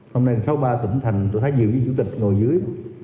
hôm nay sau ba tỉnh thành tôi thấy nhiều vị chủ tịch ngồi dưới